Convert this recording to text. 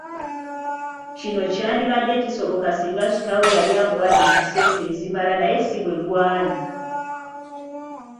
Kino kyandibadde kisoboka singa kitaawe yali amuwadde ku ssente ezimala naye si bwe gwali.